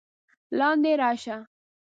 لاندې راشه!